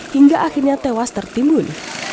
hingga akhirnya tewas tertimbun